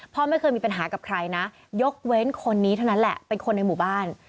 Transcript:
พ่อไม่เคยมีปัญหากับใครนะยกเว้นคนนี้เท่านั้นแหละเป็นคนในหมู่บ้าน